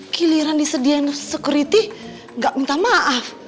giliran disediakan security gak minta maaf